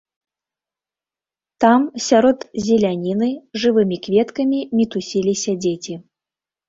Там, сярод зеляніны, жывымі кветкамі мітусіліся дзеці.